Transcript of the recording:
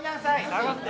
下がって。